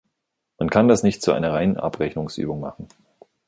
Man kann das nicht zu einer reinen Abrechnungsübung machen.